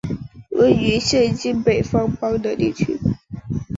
位于现今北方邦的地区。